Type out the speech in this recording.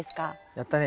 やったね。